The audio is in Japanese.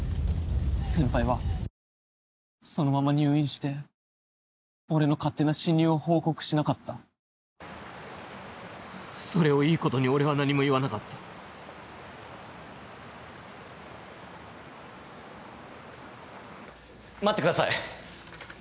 先輩はそのまま入院して俺の勝手な進入を報告しなかったそれをいいことに俺は何も言わなかった待ってください